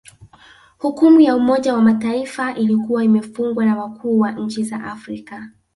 Hukumu ya Umoja wa Mataifa ilikuwa imefungwa na wakuu wa nchi za Afrika